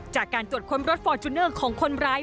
จากการตรวจค้นรถฟอร์จูเนอร์ของคนร้าย